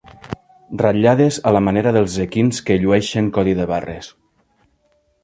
Ratllades a la manera dels equins que llueixen codi de barres.